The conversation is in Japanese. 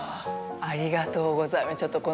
ありがとうございます。